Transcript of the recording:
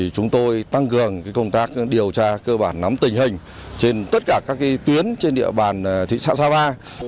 các điều tra cơ bản nắm tình hình trên tất cả các tuyến trên địa bàn thị xã sapa